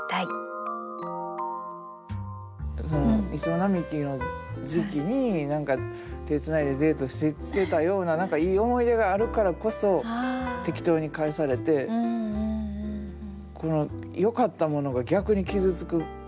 銀杏並木の時期に何か手つないでデートしてたような何かいい思い出があるからこそ適当に返されてこのよかったものが逆に傷つく痛いものに変わっていくみたいな。